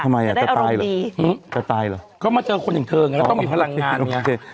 ทำไมอ่ะจะตายเหรอจะตายเหรอก็มาเจอคนอย่างเธอไงแล้วต้องมีพลังงานโอเค